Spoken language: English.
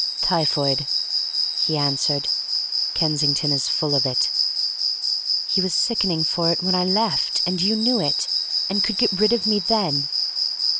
"Typhoid," he answered. "Kensington is full of it." "He was sickening for it when I left, and you knew it, and could get rid of me then!"